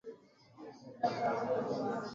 vitu vya kupikia la viazi lishe